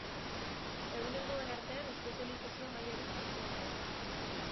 Ehun helduen artean espezializazio mailarik txikiena du.